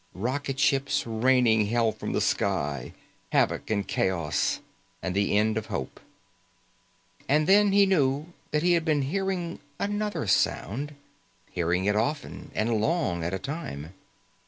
Rocket ships raining hell from the sky, havoc and chaos and the end of hope. And then he knew that he had been hearing another sound, hearing it often and long at a time.